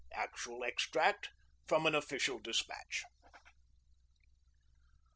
..._' ACTUAL EXTRACT FROM AN OFFICIAL DESPATCH.